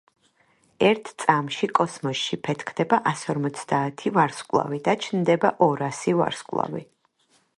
ერთ წამში კოსმოსში ფეთქდება ასორმოცდაათი ვარსკვლავი და ჩნდება ორასი ვარსკვლავი.